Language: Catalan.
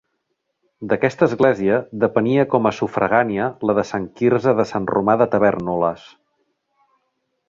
D'aquesta església depenia com a sufragània la de Sant Quirze de Sant Romà de Tavèrnoles.